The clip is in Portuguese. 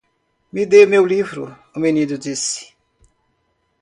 "Me dê meu livro?" o menino disse.